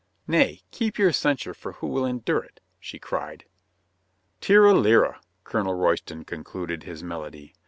"Nay, keep your censure for who will endure it!" she cried. "Tira lira," Colonel Royston concluded his mel ody.